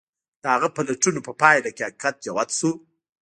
د هغه د پلټنو په پايله کې حقيقت جوت شو.